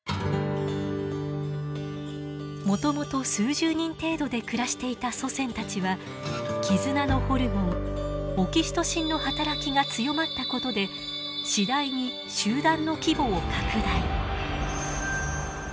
もともと数十人程度で暮らしていた祖先たちは絆のホルモンオキシトシンの働きが強まったことで次第に集団の規模を拡大。